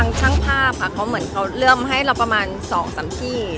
ก็ช่างภาพเค้าเขาเหมือนเค้าเลือกให้เราประมาณ๒๓พีธ